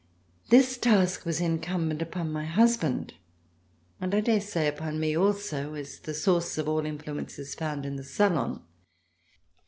This task was encumbent upon my husband, and I dare say upon me, also, as the source of all influence is found in the salon.